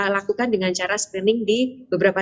lakukan dengan cara screening di beberapa